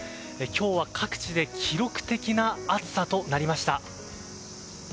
今日は各地で記録的な暑さとなりました。